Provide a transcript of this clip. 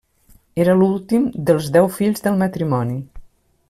Era l'últim dels deu fills del matrimoni.